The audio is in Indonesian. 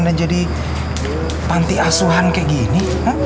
dan jadi panti asuhan kayak gini